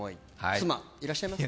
妻、いらっしゃいますか？